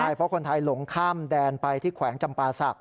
ใช่เพราะคนไทยหลงข้ามแดนไปที่แขวงจำปาศักดิ